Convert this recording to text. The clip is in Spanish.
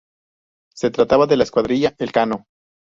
Se trataba de la Escuadrilla Elcano.